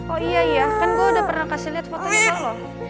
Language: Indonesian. oh iya iya kan gue udah pernah kasih liat fotonya sama lo